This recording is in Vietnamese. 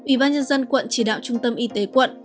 ubnd quận chỉ đạo trung tâm y tế quận